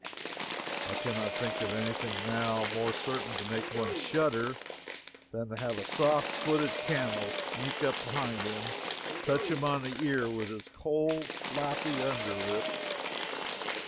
I can not think of any thing, now, more certain to make one shudder, than to have a soft footed camel sneak up behind him and touch him on the ear with its cold, flabby under lip.